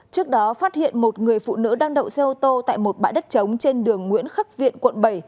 trước đó phát hiện một người phụ nữ đang đậu xe ô tô tại một bãi đất trống trên đường nguyễn khắc viện quận bảy